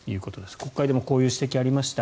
国会でもこういう指摘がありました。